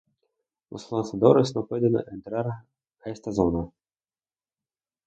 Los lanzadores no pueden entrar a esta zona.